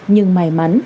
nhưng may mắn